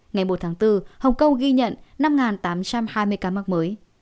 ngày một tháng bốn hồng kông ghi nhận năm tám trăm hai mươi ca mắc mới